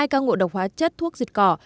một mươi hai ca ngộ độc hóa chất thuốc dịch cỏ